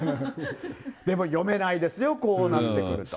でも、読めないですよ、こうなってくると。